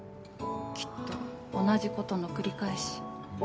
きっと同じことの繰り返し。